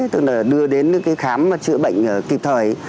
tức là đưa đến cái khám chữa bệnh kịp thời